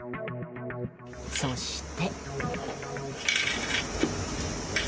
そして。